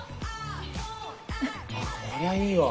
こりゃいいわ。